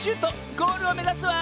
ゴールをめざすわ！